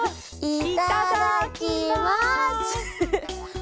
いただきます。